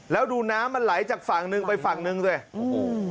แล้วดูน้ำมันไหลจากฝั่งนึงไปฝั่งนึงด้วย